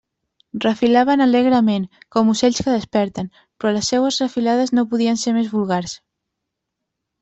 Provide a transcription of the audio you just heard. Refilaven alegrement, com ocells que desperten, però les seues refilades no podien ser més vulgars.